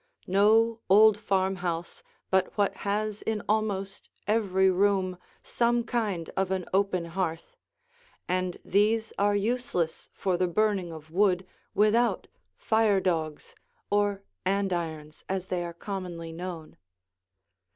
No old farmhouse but what has in almost every room some kind of an open hearth, and these are useless for the burning of wood without fire dogs or andirons, as they are commonly known.